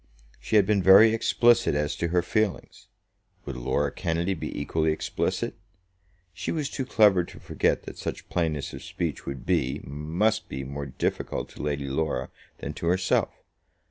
She had been very explicit as to her feelings. Would Laura Kennedy be equally explicit? She was too clever to forget that such plainness of speech would be, must be more difficult to Lady Laura than to herself.